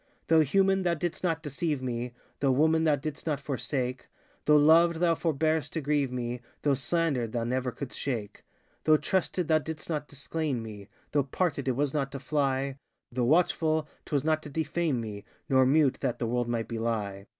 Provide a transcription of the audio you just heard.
Though human, thou didst not deceive me, Though woman, thou didst not forsake, Though loved, thou forborest to grieve me, Though slandered, thou never couldst shake, ŌĆö Though trusted, thou didst not disclaim me, Though parted, it was not to fly, Though watchful, ŌĆÖtwas not to defame me, Nor mute, that the world might belie.